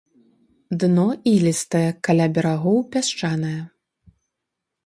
Дно ілістае, каля берагоў пясчанае.